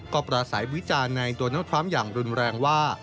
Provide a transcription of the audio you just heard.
ก็ประสัยวิจารณ์ในโดนัลดทรัมป์อย่างรุนแรงว่า